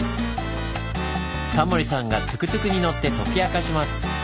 タモリさんがトゥクトゥクに乗って解き明かします。